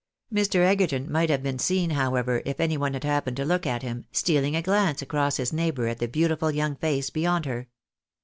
ilr. Egerton might have been seen, however, if any one had happened to look at him, stealing a glance across his neighbour at the beauti ful young face beyond her.